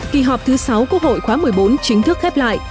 kỳ họp thứ sáu quốc hội khóa một mươi bốn chính thức khép lại